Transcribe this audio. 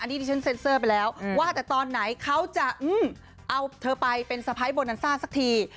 อันนี้ที่ฉันเซ็นเซอร์ไปแล้วว่าแต่ตอนไหนเขาจะเอาเธอไปเป็นสะพ้ายโบนันซ่าสักที